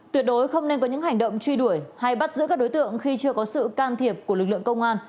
tuyệt đối không nên có những hành động truy đuổi hay bắt giữ các đối tượng khi chưa có sự can thiệp của lực lượng công an